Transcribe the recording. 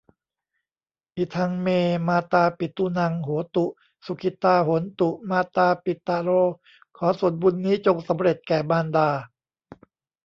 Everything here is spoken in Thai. อิทัง เม มาตาปิตูนัง โหตุ สุขิตา โหนตุ มาตาปิตะโร ขอส่วนบุญนี้จงสำเร็จแก่มารดา